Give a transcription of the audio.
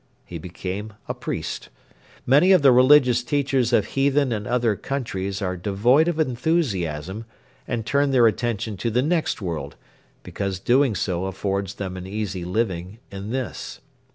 He became a priest. Many of the religious teachers of heathen and other countries are devoid of enthusiasm and turn their attention to the next world because doing so affords them an easy living in this.